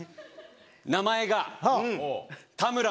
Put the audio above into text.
名前が。